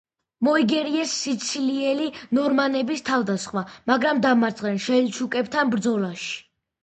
მოიგერიეს სიცილიელი ნორმანების თავდასხმა, მაგრამ დამარცხდნენ სელჩუკებთან ბრძოლაში.